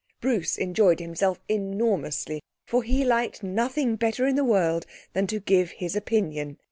Bruce enjoyed himself enormously, for he liked nothing better in the world than to give his opinion.